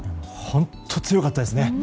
本当に強かったですね。